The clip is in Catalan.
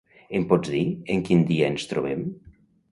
Em pots dir en quin dia ens trobem?